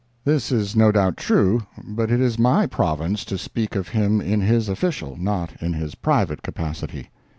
This is no doubt true; but it is my province to speak of him in his official, not in his private capacity.